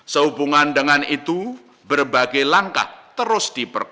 sehubungan dengan itu berbagai langkah terus diperbai